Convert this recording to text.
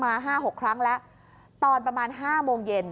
๕๖ครั้งแล้วตอนประมาณ๕โมงเย็น